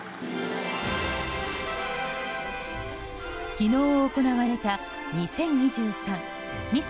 昨日行われた２０２３ミス